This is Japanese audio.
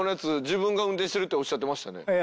自分が運転してるっておっしゃってましたね。